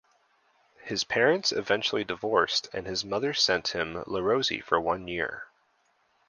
His parents eventually divorced and his mother sent him Le Rosey for one year.